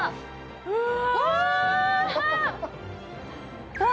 うわ！